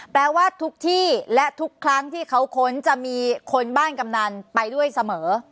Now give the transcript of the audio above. แปลว่าทุกที่และทุกครั้งที่เขาค้นจะมีคนบ้านกำนันไปด้วยเสมอ